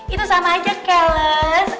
itu sama aja keles